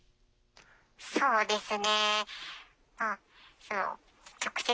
そうですね。